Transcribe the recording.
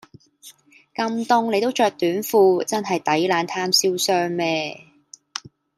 咁凍你都著短褲真係抵冷貪瀟湘咩